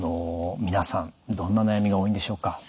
皆さんどんな悩みが多いんでしょうか？